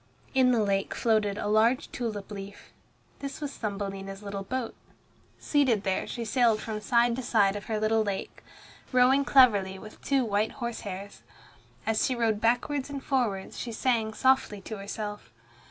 In the lake floated a large tulip leaf. This was Thumbelina's little boat. Seated there she sailed from side to side of her little lake, rowing cleverly with two white horse hairs. As she rowed backwards and forwards she sang softly to herself.